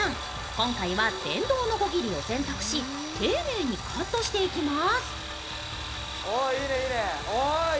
今回は電動のこぎり選択し、丁寧にカットしていきます。